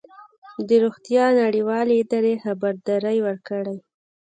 د روغتیا نړیوالې ادارې خبرداری ورکړی